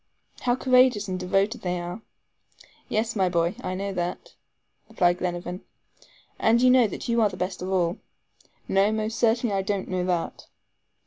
How courageous and devoted they are." "Yes, my boy, I know that," replied Glenarvan. "And do you know that you are the best of all." "No, most certainly I don't know that."